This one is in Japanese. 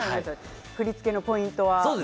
振り付けのポイントは。